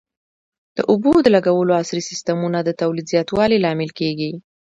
د اوبو د لګولو عصري سیستمونه د تولید زیاتوالي لامل کېږي.